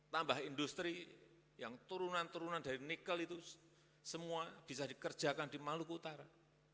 tambah industri yang turunan turunan dari nikel itu semua bisa dikerjakan di maluku utara